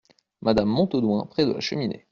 Madame Montaudoin , près de la cheminée.